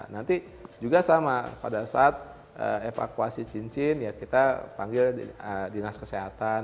nanti juga sama pada saat evakuasi cincin ya kita panggil dinas kesehatan